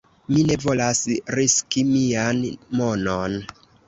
"Mi ne volas riski mian monon"